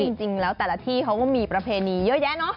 จริงแล้วแต่ละที่เขาก็มีประเพณีเยอะแยะเนอะ